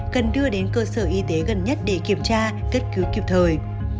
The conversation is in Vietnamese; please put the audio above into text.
cần đưa đến cơ sở y tế gần nhất để kiểm tra cấp cứu kịp thời